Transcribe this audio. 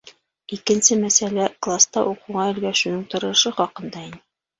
Икенсе мәсьәлә класта уҡыуға өлгәшеүҙең торошо хаҡында ине.